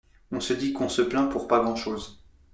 On se dit qu'on se plaint pour pas grand chose.